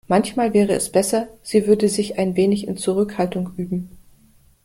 Manchmal wäre es besser, sie würde sich ein wenig in Zurückhaltung üben.